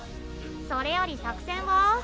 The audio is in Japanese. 「それより作戦は？」